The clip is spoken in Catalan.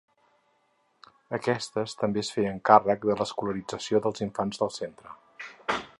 Aquestes també es feien càrrec de l'escolarització dels infants del centre.